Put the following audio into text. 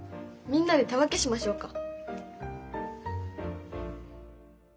みんなで手分けしましょうか。